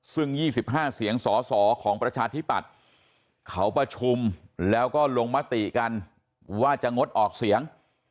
ซึ่ง๒๕เสียงสอสอของประชาธิปัตย์เขาประชุมแล้วก็ลงมติกันว่าจะงดออกเสียง